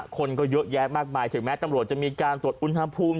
คนก็เยอะแยะมากมายถึงแม้ตำรวจจะมีการตรวจอุณหภูมิ